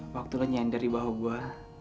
waktu lo nyender di bawah gua